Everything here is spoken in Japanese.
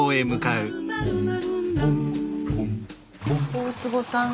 大坪さん。